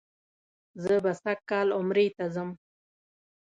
زه به سږ کال عمرې ته راځم.